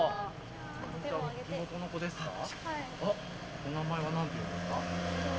お名前は何ていうんですか。